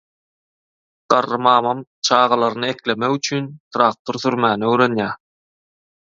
Garry mamam çagalaryny eklemek üçin traktor sürmäni öwrenýär.